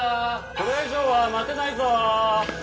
これ以上は待てないぞ。